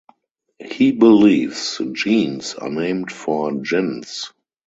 He believes jeans are named for jinns.